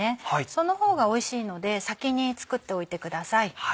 その方がおいしいので先に作っておいてください。